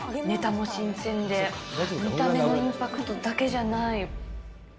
ネタも新鮮で、見た目のインパクトだけじゃない。